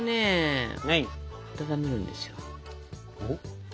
おっ？